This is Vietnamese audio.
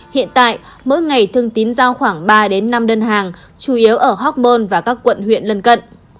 hiện tại mỗi ngày thương tín giao khoảng ba năm đơn hàng chủ yếu ở hoc mon và các quận huyện lân cận